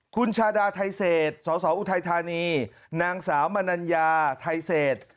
คุณชาดาไทเศษสสออุทัยธานีนางสาวมนัญญาไทยเศษ